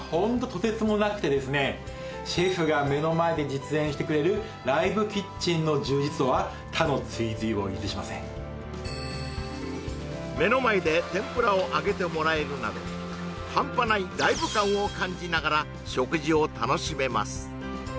シェフが目の前で実演してくれるライブキッチンの充実度は他の追随を許しませんを揚げてもらえるなどハンパないライブ感を感じながら食事を楽しめます